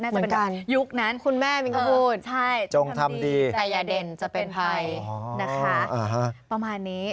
จะเป็นการยุคนั้นคุณแม่มิ้นก็พูดจงทำดีแต่อย่าเด่นจะเป็นภัยนะคะประมาณนี้